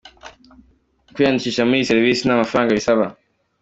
Kwiyandikisha muri iyi serivisi nta mafaranga bisaba.